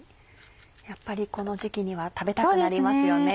やっぱりこの時期には食べたくなりますよね。